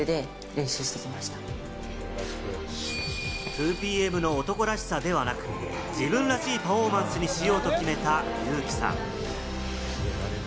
２ＰＭの男らしさではなく、自分らしいパフォーマンスにしようと決めたユウキさん。